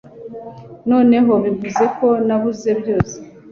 Noneho bivuze ko nabuze byose